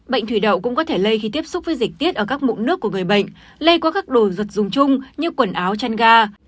bệnh thủy đậu cũng có thể lây khi tiếp xúc với dịch tiết ở các mụn nước của người bệnh lây qua các đồ vật dùng chung như quần áo chăn ga